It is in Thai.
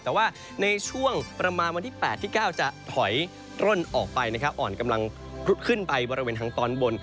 แต่ว่าในช่วงประมาณวันที่๘ที่๙จะถอยร่นออกไปนะครับอ่อนกำลังพลุขึ้นไปบริเวณทางตอนบน